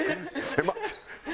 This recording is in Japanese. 狭っ！